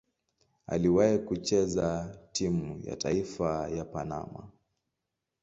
Aliwahi kucheza timu ya taifa ya Panama.